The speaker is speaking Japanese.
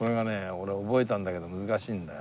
俺覚えたんだけど難しいんだよ。